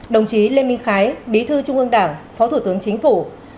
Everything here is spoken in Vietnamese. đồng chí lê minh khái bí thư trung ương đảng phó thủ tướng chính phủ